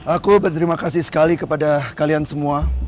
aku berterima kasih sekali kepada kalian semua